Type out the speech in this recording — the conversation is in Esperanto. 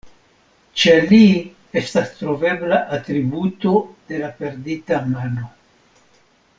Ĉe li estas trovebla atributo de la perdita mano.